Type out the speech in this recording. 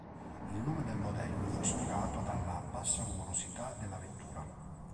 Il nome del modello fu ispirato dalla bassa rumorosità della vettura.